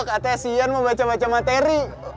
katanya sian mau baca baca materi